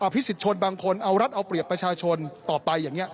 พิสิทธชนบางคนเอารัฐเอาเปรียบประชาชนต่อไปอย่างนี้